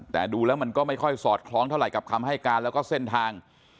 แต่ดูแล้วมันก็ไม่ค่อยสอดคล้องเท่าไหร่กับคำให้การแล้วก็เส้นทาง